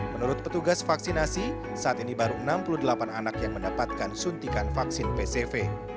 menurut petugas vaksinasi saat ini baru enam puluh delapan anak yang mendapatkan suntikan vaksin pcv